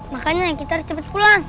makanya kita harus cepat pulang